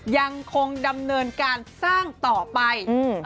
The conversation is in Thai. ยังคงดำเนินการสร้างต่อไป